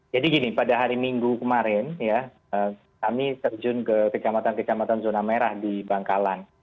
jadi gini pada hari minggu kemarin ya kami terjun ke kecamatan kecamatan zona merah di bangkalan